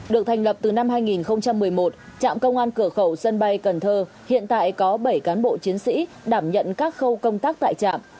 được thành lập từ năm hai nghìn một mươi một trạm công an cửa khẩu sân bay cần thơ hiện tại có bảy cán bộ chiến sĩ đảm nhận các khâu công tác tại trạm